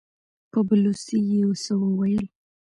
په بلوڅي يې څه وويل!